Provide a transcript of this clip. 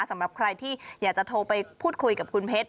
สำหรับใครที่อยากจะโทรไปพูดคุยกับคุณเพชร